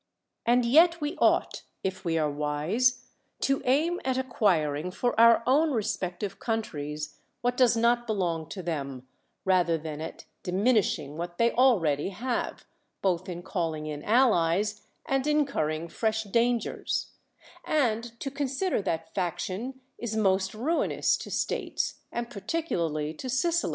And yet we ought, if v' are wise, to aim at ac quiring for our own )• si'pctive countries what HERMOCRATES does not belong to them, rather than at dimin ishing what they already have, both in calling in allies and incui'iing fresh dangers; and to consider that faction is most ruinous to states, and particularly to Sicil.